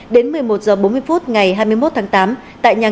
đến một mươi một h bốn mươi phút ngày hai mươi một tháng tám